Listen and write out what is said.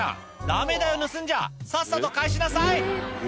ダメだよ盗んじゃさっさと返しなさい！